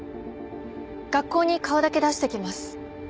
学校に顔だけ出してきます。